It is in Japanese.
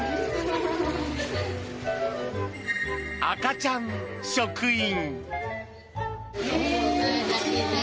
赤ちゃん職員。